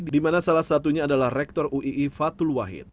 di mana salah satunya adalah rektor uii fatul wahid